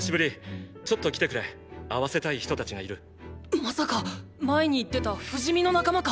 まさか前に言ってた不死身の仲間か？